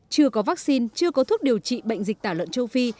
chưa có vaccine chưa có thuốc điều trị bệnh dịch tả lợn châu phi